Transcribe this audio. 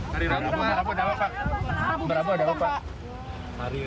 hari rabu ada apa pak